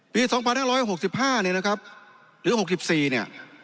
ปี๒๕๖๕เนี่ยนะครับหรือ๖๔เนี่ย